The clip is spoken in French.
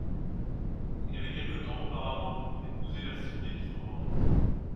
Il avait quelque temps auparavant épousé la fille d'Élie Faure.